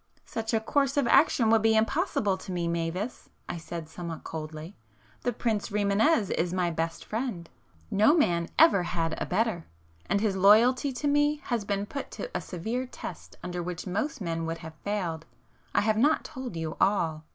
"Such a course of action would be impossible to me, Mavis,"—I said somewhat coldly—"The Prince Rimânez is my best friend—no man ever had a better;—and his loyalty to me has been put to a severe test under which most men would have failed. I have not told you all."